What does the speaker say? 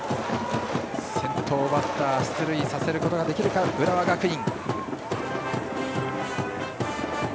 先頭バッター出塁させることができるか浦和学院。